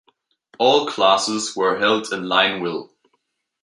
All classes were held in Lineville.